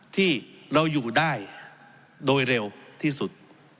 ที่เราอยู่ได้โดยเร็วที่สุด